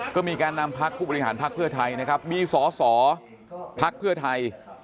ก็มีการนำพักผู้บริหารพักเพื่อไทยนะครับมีสอสอพักเพื่อไทย